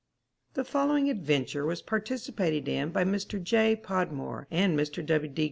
The following adventure was participated in by Mr. J. Podmore and Mr. W. D.